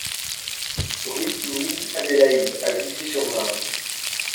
Rue Louise Adélaïde à Villiers-sur-Marne